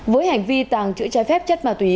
với hành vi tàng chữa trái phép chất màu tùy